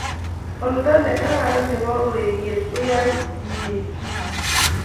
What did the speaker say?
olda ne karan nebo ureriet koyain iek kit age